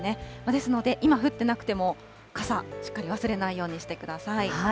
ですので、今降ってなくても、傘、しっかり忘れないようにしてください。